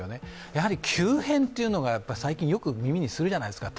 やはり急変というのが最近よく耳にするじゃないですか。